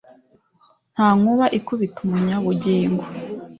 nta nkuba ikubita umunyabugingo